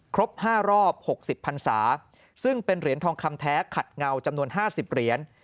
ครบห้ารอบหกสิบซาซึ่งเป็นเหรียญทองคำแท้ขัดเงาจำนวนห้าสิบเหรียญ